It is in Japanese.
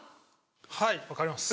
はい分かります。